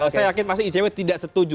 saya yakin pasti icw tidak setuju